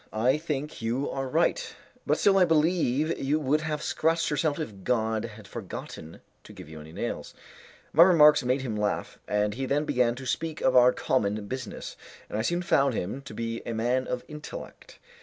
I think you are right, but still I believe you would have scratched yourself if God had forgotten to give you any nails." My remarks made him laugh, and he then began to speak of our common business, and I soon found him to be a man of intellect.